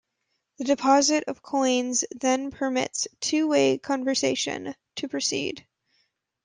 The deposit of coins then permits two-way conversation to proceed.